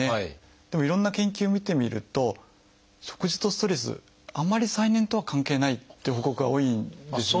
でもいろんな研究見てみると食事とストレスあんまり再燃とは関係ないという報告が多いんですね。